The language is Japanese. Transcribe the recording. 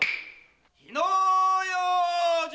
火の用心！